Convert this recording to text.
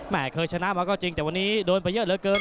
เคยชนะมาก็จริงแต่วันนี้โดนไปเยอะเหลือเกิน